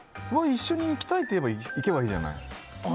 一緒に行きたいといえば行けばいいじゃない。